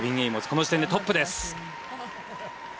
この時点でトップです。